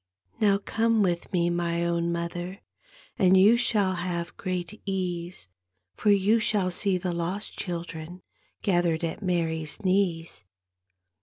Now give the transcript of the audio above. " Now come with me, my own mother, And you shall have great ease. For you shall see the lost children Gathered at Mary's knees."